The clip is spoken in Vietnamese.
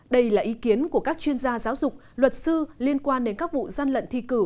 đây là ý kiến của các chuyên gia giáo dục luật sư liên quan đến các vụ gian lận thi cử